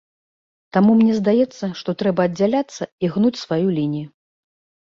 Таму мне здаецца, што трэба аддзяляцца і гнуць сваю лінію.